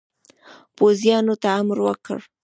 پوځیانو ته امر وکړ.